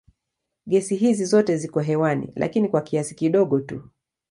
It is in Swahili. Gesi hizi zote ziko hewani lakini kwa kiasi kidogo tu.